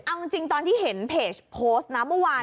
เอาจริงตอนที่เห็นเพจโพสต์นะเมื่อวาน